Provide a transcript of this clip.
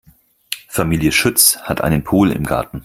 Familie Schütz hat einen Pool im Garten.